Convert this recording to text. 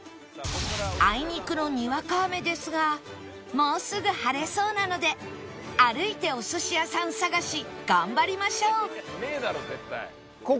あいにくのにわか雨ですがもうすぐ晴れそうなので歩いてお寿司屋さん探し頑張りましょう